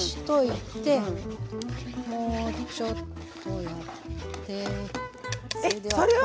もうちょっとやって。